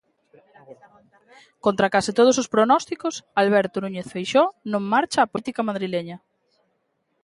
Contra case todos os prognósticos, Alberto Núñez Feixóo non marcha á política madrileña.